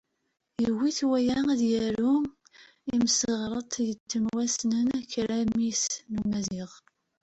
Yewwi-t waya ad yaru, imseɣret yettwassnen "Kker a mmi-s n Umaziɣ."